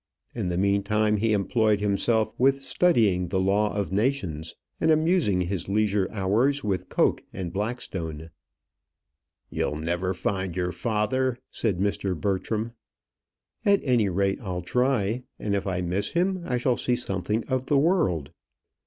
In the meantime, he employed himself with studying the law of nations, and amused his leisure hours with Coke and Blackstone. "You'll never find your father," said Mr. Bertram. "At any rate, I'll try; and if I miss him, I shall see something of the world."